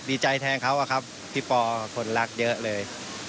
ดีใจแทนเขาอะครับพี่ปอคนรักเยอะเลย